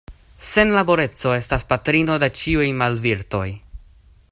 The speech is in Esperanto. Senlaboreco estas patrino de ĉiuj malvirtoj.